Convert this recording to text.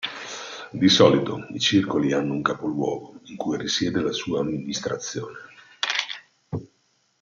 Di solito i circoli hanno un capoluogo in cui risiede la sua amministrazione.